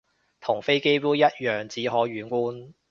同飛機杯一樣只可遠觀